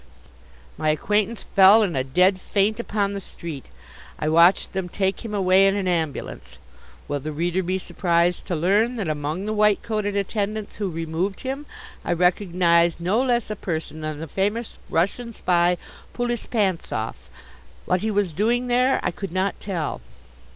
_" My acquaintance fell in a dead faint upon the street. I watched them take him away in an ambulance. Will the reader be surprised to learn that among the white coated attendants who removed him I recognized no less a person than the famous Russian Spy, Poulispantzoff. What he was doing there I could not tell.